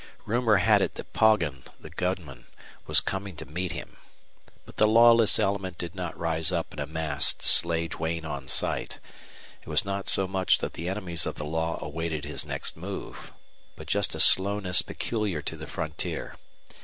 Rumor had it that Poggin, the gunman, was coming to meet him. But the lawless element did not rise up in a mass to slay Duane on sight. It was not so much that the enemies of the law awaited his next move, but just a slowness peculiar to the frontier.